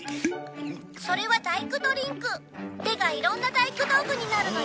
「それは大工ドリンク」「手がいろんな大工道具になるのよ」